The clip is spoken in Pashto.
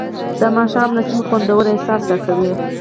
د ماښام نسیم خوندور احساس راکوي